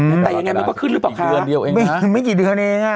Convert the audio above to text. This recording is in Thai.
แต่ยังไงมันก็ขึ้นหรือเปล่าคือเดือนเดียวเองไม่กี่เดือนเองอ่ะ